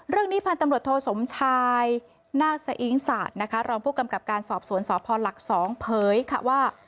เรื่องนี้พันธมรถโทสมชายนาศอิงศาสตร์รองผู้กำกับการสอบสวนสอบพลหลัก๒เผยว่า